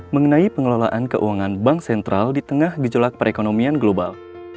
mengenai pengelolaan keuangan bank sentral di tengah gejolak perekonomian global